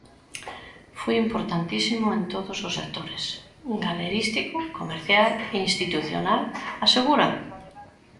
"Foi importantísimo en todos os sectores: galerístico, comercial, institucional...", asegura.